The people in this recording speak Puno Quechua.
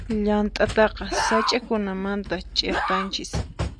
Llant'ataqa sach'akunamanta ch'iktanchis.